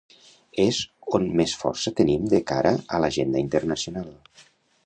És on més força tenim de cara a l’agenda internacional.